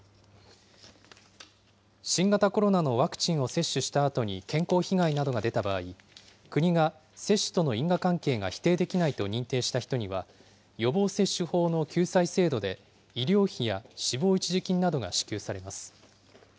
新型コロナのワクチンを接種したあとに健康被害などが出た場合、国が接種との因果関係が否定できないと認定した人には、予防接種法の救済制度で、医療費や死亡一時金などが支給されます。